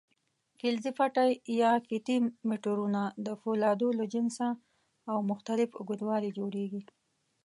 فلزي پټۍ یا فیتې میټرونه د فولادو له جنسه او مختلف اوږدوالي جوړېږي.